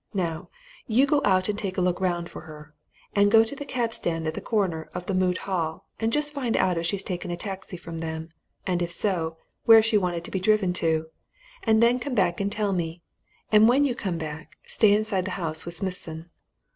Now, you go out and take a look round for her. And go to the cab stand at the corner of the Moot Hall, and just find out if she's taken a taxi from them, and if so, where she wanted to be driven to. And then come back and tell me and when you come back, stay inside the house with Smithson."